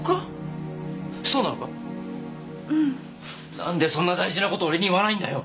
何でそんな大事なことを俺に言わないんだよ！